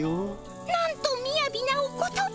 なんとみやびなお言葉。